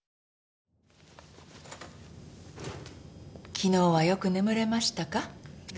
昨日はよく眠れましたか？